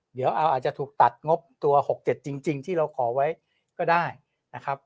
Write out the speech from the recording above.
เดี๋ยวอาจจะถูกตัดงบตัว๖๗จริงที่เราขอไว้ก็ได้นะครับ